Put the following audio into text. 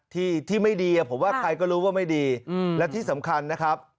ที่ที่ไม่ดีผมว่าใครก็รู้ว่าไม่ดีและที่สำคัญนะครับ